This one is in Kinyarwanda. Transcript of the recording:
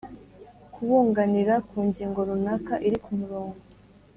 kubunganira ku ngingo runaka iri ku murongo